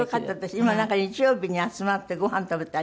今なんか日曜日に集まってごはん食べたり。